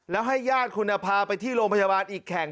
แล้วให้ญาติคุณพาไปที่โรงพยาบาลอีกแข่ง